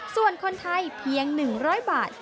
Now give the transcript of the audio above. ส่วนคนไทยเพียง๑๐๐บาท